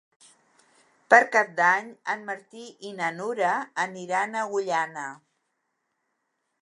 Per Cap d'Any en Martí i na Nura aniran a Agullana.